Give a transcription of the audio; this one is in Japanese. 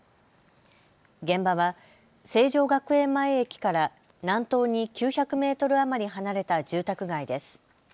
現場は成城学園前駅から南東に９００メートル余り離れた住宅街です。